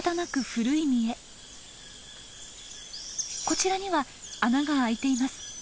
こちらには穴が開いています。